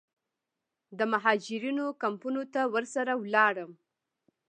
د مهاجرینو کمپونو ته ورسره ولاړم.